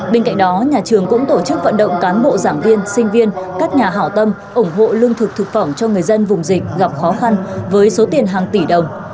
bên cạnh đó nhà trường cũng tổ chức vận động cán bộ giảng viên sinh viên các nhà hảo tâm ủng hộ lương thực thực phẩm cho người dân vùng dịch gặp khó khăn với số tiền hàng tỷ đồng